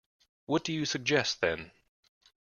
What do you suggest, then?